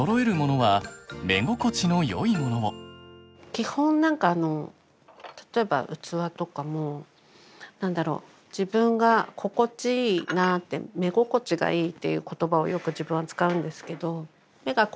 基本何か例えば器とかも何だろう自分が心地いいなって「目心地がいい」っていう言葉をよく自分は使うんですけど。